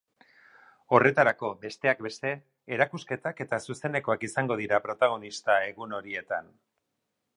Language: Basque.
Horretarako, besteak beste, erakusketak eta zuzenekoak izango dira protagonista egun horietan.